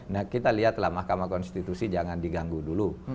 nah kita lihat lah mahkamah konstitusi jangan diganggu dulu